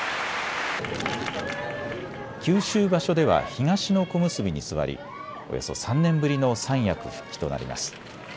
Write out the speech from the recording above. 九州場所では東の小結に座りおよそ３年ぶりの三役復帰となります。